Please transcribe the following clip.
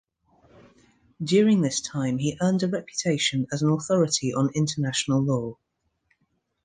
During this time, he earned a reputation as an authority on international law.